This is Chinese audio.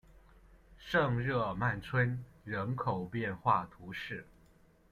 圣日耳曼村人口变化图示